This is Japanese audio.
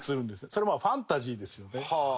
それもファンタジーですよね。